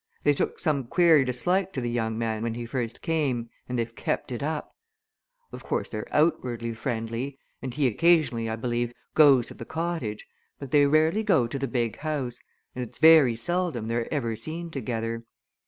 They took some queer dislike to the young man when he first came, and they've kept it up. Of course, they're outwardly friendly, and he occasionally, I believe, goes to the cottage, but they rarely go to the big house, and it's very seldom they're ever seen together.